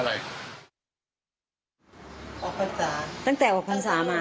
ออกภัณฑ์ศาสตร์ตั้งแต่ออกภัณฑ์ศาสตร์มา